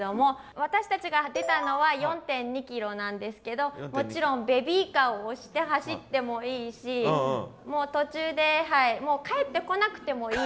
私たちが出たのは４．２キロなんですけどもちろんベビーカーを押して走ってもいいしもう途中で帰ってこなくてもいい。